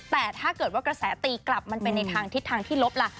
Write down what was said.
แต่ถ้าเกิดว่ากระแสตีกลับมันเป็นในทางทิศทางที่ลบล่ะ